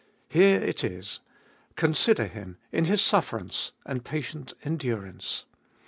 Here it is : Consider Him in His sufferance and patient endurance.